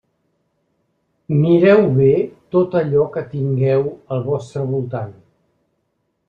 Mireu bé tot allò que tingueu al vostre voltant.